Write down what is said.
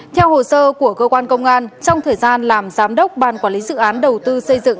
theo hồ sơ của cơ quan công an trong thời gian làm giám đốc ban quản lý dự án đầu tư xây dựng